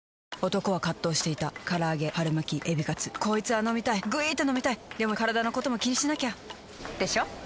男は葛藤していた唐揚げ春巻きエビカツこいつぁ飲みたいぐいーーっと飲みたいでもカラダのことも気にしなきゃ！でしょ？